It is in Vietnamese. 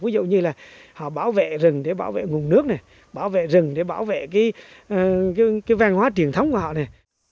ví dụ như là họ bảo vệ rừng để bảo vệ nguồn nước này bảo vệ rừng để bảo vệ cái văn hóa truyền thống của họ này